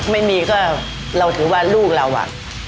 ไม่มีก็เราถือว่าลูกเราอ่ะ